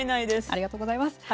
ありがとうございます。